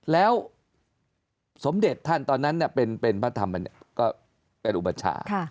แล้วสมเด็จท่านตอนนั้นเป็นพระธรรมก็เป็นอุปชา